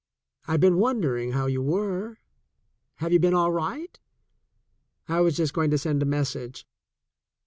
I've been wondering how you were. Have you been all right? I was just go ing to send a message."